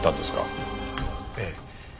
ええ。